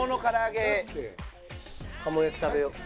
鴨やき食べよう。